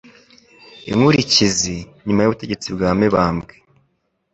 Inkurikizi, nyuma y'ubutegetsi bwa Mibambwe